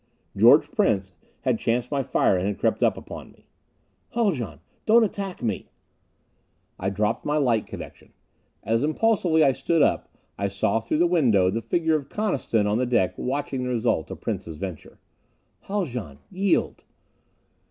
George Prince had chanced my fire and had crept up upon me. "Haljan! Don't attack me." I dropped my light connections. As impulsively I stood up, I saw through the window the figure of Coniston on the deck watching the result of Prince's venture. "Haljan yield."